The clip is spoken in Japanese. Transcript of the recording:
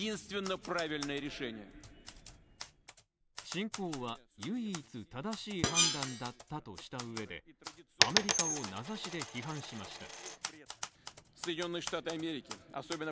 侵攻は唯一正しい判断だったとしたうえでアメリカを名指しで批判しました。